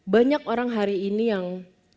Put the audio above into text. banyak orang hari ini yang